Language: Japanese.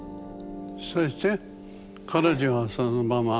そして彼女はそのまま。